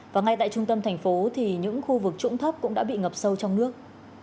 và ngay tại trung tâm thành phố thì những khu vực trũng thấp cũng đã bị ngập sâu trong nước